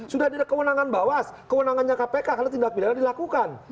sudah ada kewenangan bawas kewenangannya kpk kalau tindak pidana dilakukan